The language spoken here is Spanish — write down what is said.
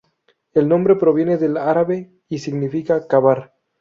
El nombre proviene del árabe y significa "cavar".